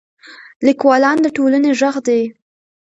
لیکوالان د ټولنې ږغ دي.